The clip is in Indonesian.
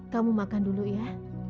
kamu makan dulu ya